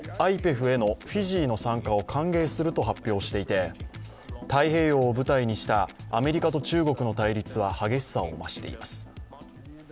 ＩＰＥＦへのフィジーの参加を歓迎すると発表していて、太平洋を舞台にしたアメリカと中国の対立は激しさを増しています。